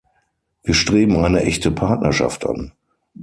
Wir streben eine echte Partnerschaft an.